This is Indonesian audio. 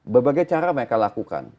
berbagai cara mereka lakukan